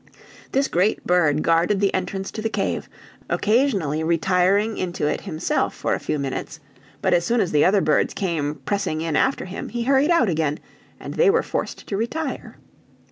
This great bird guarded the entrance to the cave, occasionally retiring into it himself for a few minutes; but as soon as the other birds came pressing in after him, he hurried out again, and they were forced to retire.